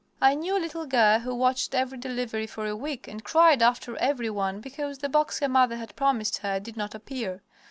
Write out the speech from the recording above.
I knew a little girl who watched every delivery for a week and cried after every one because the box her mother had promised her did not appear.